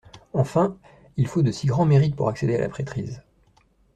Enfin: il faut de si grands mérites pour accéder à la prêtrise.